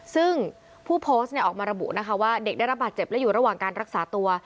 ซึ่งผู้โพสต์ออกมาระบุนะคะว่าเด็กได้รับบาดเจ็บและอยู่ระหว่างการรักษาตัว